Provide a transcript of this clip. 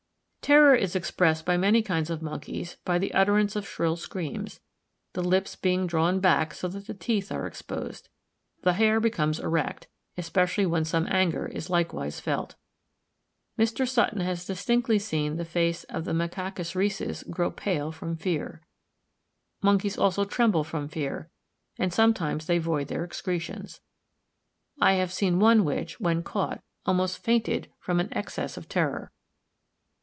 Terror is expressed by many kinds of monkeys by the utterance of shrill screams; the lips being drawn back, so that the teeth are exposed. The hair becomes erect, especially when some anger is likewise felt. Mr. Sutton has distinctly seen the face of the Macacus rhesus grow pale from fear. Monkeys also tremble from fear; and sometimes they void their excretions. I have seen one which, when caught, almost fainted from an excess of terror.